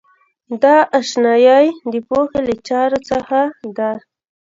دا آشنایۍ د پوهې له چارو څخه ده.